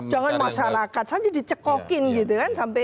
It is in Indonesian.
jangan masyarakat saja dicekokin gitu kan